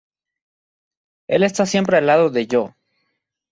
Él está siempre al lado de Yoh.